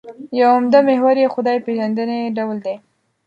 یو عمده محور یې خدای پېژندنې ډول دی.